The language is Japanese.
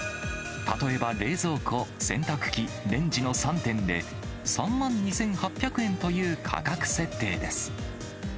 例えば冷蔵庫、洗濯機、レンジの３点で、３万２８００円という価格設定です。